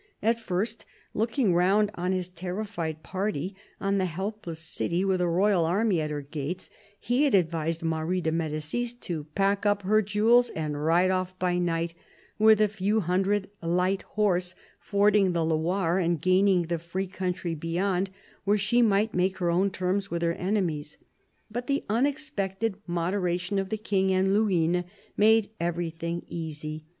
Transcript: At first, looking round on his terrified party, on the helpless city with a royal army at her gates, he had advised Marie de Medicis to pack up her jewels and ride oif by night with a few hundred light horse, fording the Loire and gaining the free country beyond, where she might make her own terms with her enemies. But the unexpected moderation of the King and Luynes made everything easy.